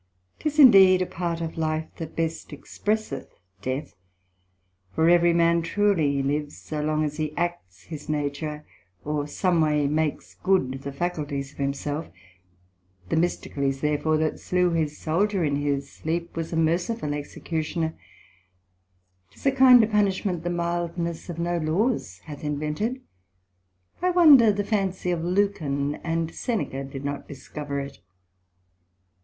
'Tis indeed a part of life that best expresseth death; for every man truely lives, so long as he acts his nature, or some way makes good the faculties of himself: Themistocles therefore that slew his Soldier in his sleep, was a merciful Executioner: 'tis a kind of punishment the mildness of no laws hath invented; I wonder the fancy of Lucan and Seneca did not discover it.